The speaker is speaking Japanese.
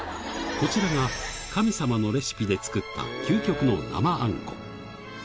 こちらが、神様のレシピで作った、究極の生あんこ。